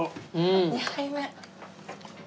２杯目。